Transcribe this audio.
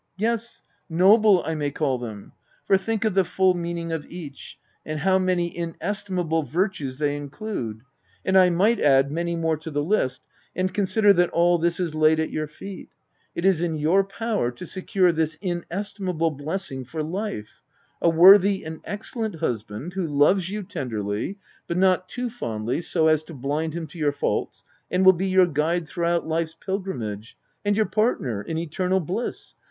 — Yes, noble I may call them ; for, think of the full meaning of each, and how many inestimable virtues they include (and I might add many more to the list,) and consider that all this is laid at your feet : it is in your power to secure this inestimable blessing for life — a worthy and excellent husband, who loves you tenderly, but not too fondly so as to blind him to your faults, and will be your guide throughout life's pil grimage, and your partner in eternal bliss